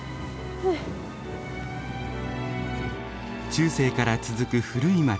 中世から続く古い街